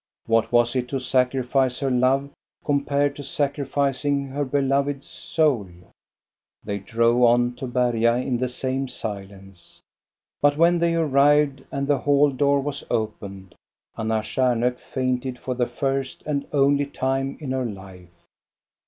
What was it to sacrifice her love compared to sacrificing her beloved's soul } They drove on to Berga in the same silence ; but when they arrived, and the hall door was opened, Anna Stjarnhok fainted for the first and only time in her life.